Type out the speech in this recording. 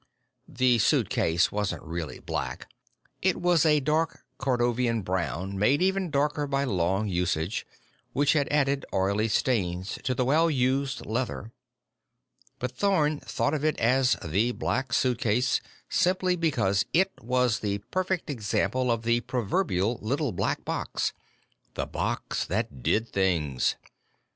The suitcase wasn't really black. It was a dark cordovan brown, made even darker by long usage, which had added oily stains to the well used leather. But Thorn thought of it as the Black Suitcase simply because it was the perfect example of the proverbial Little Black Box the box that Did Things.